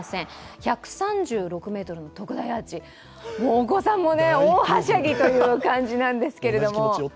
１３６ｍの特大アーチ、お子さんも大はしゃぎという感じですが。